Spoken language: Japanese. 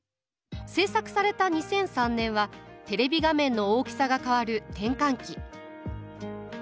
制作された２００３年はテレビ画面の大きさが変わる転換期。